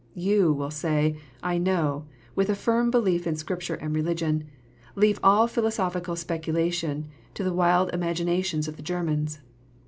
You will say, I know, with a firm belief in Scripture and religion, Leave all philosophical speculation to the wild imaginations of the Germans.